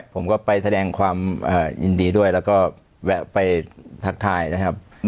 ผมก็ไปแสดงความยินดีด้วยแล้วก็แวะไปทักทายนะครับ